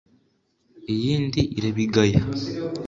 Iyindi irabigaya